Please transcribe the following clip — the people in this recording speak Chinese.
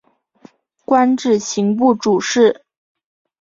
官至刑部主事。